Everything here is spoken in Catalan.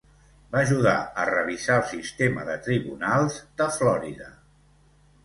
Va ajudar a revisar el sistema de tribunals de Florida.